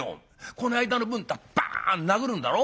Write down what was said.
『この間の分』ったらバン殴るんだろ？